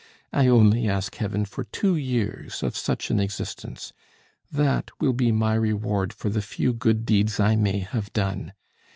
I only ask Heaven for two years of such an existence. That will be my reward for the few good deeds I may have done.